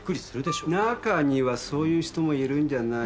中にはそういう人もいるんじゃない。